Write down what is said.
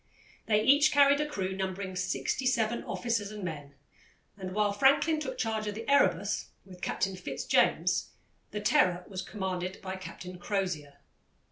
They each carried a crew numbering sixty seven officers and men, and while Franklin took charge of the Erebus with Captain Fitz James, the Terror was commanded by Captain Crozier.